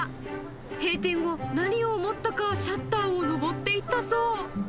閉店後、何を思ったか、シャッターを登っていったそう。